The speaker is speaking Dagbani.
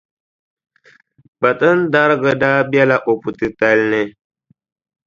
Kpatindariga daa bela o puʼ titali ni.